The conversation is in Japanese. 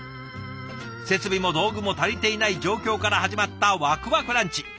設備も道具も足りていない状況から始まったわくわくランチ。